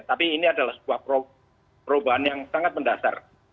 tapi ini adalah sebuah perubahan yang sangat mendasar